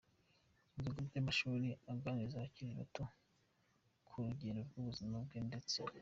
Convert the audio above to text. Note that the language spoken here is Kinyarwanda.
mu bigo by'amashuri aganiriza abakiri bato ku rugendo rw'ubuzima bwe ndetse